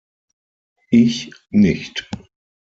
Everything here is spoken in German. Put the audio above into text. Ich nicht.